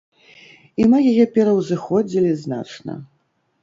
І мы яе пераўзыходзілі значна.